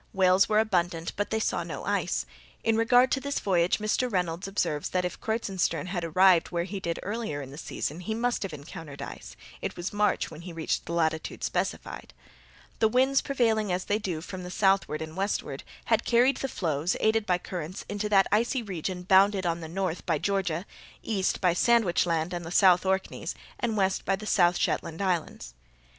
Whales were abundant, but they saw no ice. In regard to this voyage, Mr. Reynolds observes that, if Kreutzenstern had arrived where he did earlier in the season, he must have encountered ice—it was March when he reached the latitude specified. The winds, prevailing, as they do, from the southward and westward, had carried the floes, aided by currents, into that icy region bounded on the north by Georgia, east by Sandwich Land and the South Orkneys, and west by the South Shetland islands.